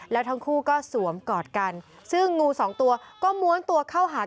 แล้วทั้งคู่ก็สวมกอดกันซึ่งงูสองตัวก็ม้วนตัวเข้าหา